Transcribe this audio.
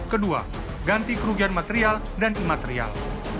kedua ganti kerugian material dan imaterial